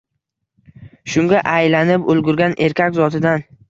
Shunga aylanib ulgurgan erkak zotidan.